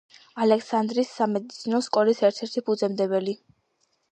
ალექსანდრიის სამედიცინო სკოლის ერთ-ერთი ფუძემდებელი.